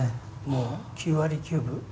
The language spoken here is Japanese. もう９割９分。